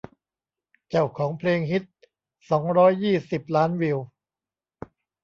เจ้าของเพลงฮิต สองร้อยยี่สิบ ล้านวิว